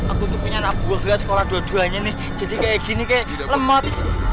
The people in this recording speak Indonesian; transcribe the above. aku tuh punya anak buah sekolah dua duanya nih jadi kayak gini kayak lemot